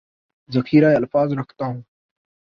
ذخیرہ الفاظ رکھتا ہوں